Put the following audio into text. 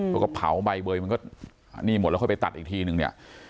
เขาก็เผาใบเบยมันก็นี่หมดแล้วค่อยไปตัดอีกทีนึงเนี่ย